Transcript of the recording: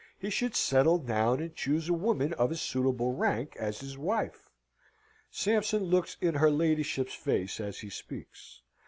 He should settle down, and choose a woman of a suitable rank as his wife." Sampson looks in her ladyship's face as he speaks.